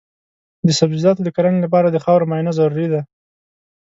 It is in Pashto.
د سبزیجاتو د کرنې لپاره د خاورو معاینه ضروري ده.